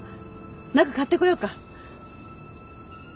何か買ってこようか。